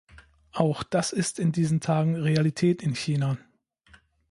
Auch das ist in diesen Tagen Realität in China.